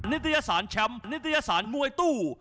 นิตยสารแชมป์นิตยสารมวยตู้